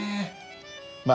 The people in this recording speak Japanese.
まあ